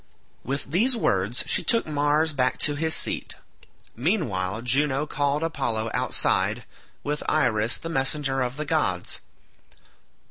With these words she took Mars back to his seat. Meanwhile Juno called Apollo outside, with Iris the messenger of the gods.